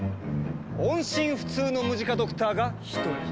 音信不通のムジカドクターが１人。